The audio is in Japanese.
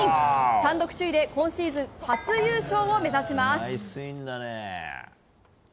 単独首位で今シーズン初優勝を目指します。